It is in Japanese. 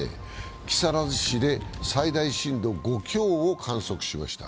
木更津市で最大震度５強を観測しました。